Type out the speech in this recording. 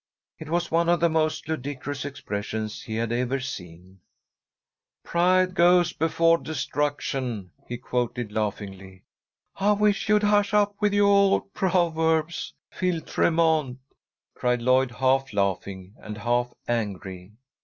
It was one of the most ludicrous expressions he had ever seen. "Pride goeth before destruction," he quoted, laughingly. "I wish you'd hush up with yoah old proverbs, Phil Tremont," cried Lloyd, half laughing and half angry.